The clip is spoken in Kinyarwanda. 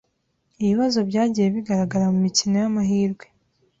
ibibazo byagiye bigaragara mu mikino y’amahirwe